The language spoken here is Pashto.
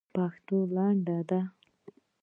پښتو لنډۍ ده.